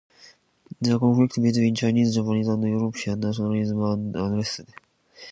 The conflicts between Chinese, Japanese, and European nationalism are addressed.